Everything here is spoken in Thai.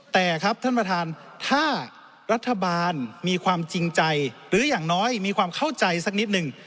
แต่ครับท่านประธานถ้ารัฐบาลมีความจริงใจหรืออย่างน้อยมีความเข้าใจสักนิดนึง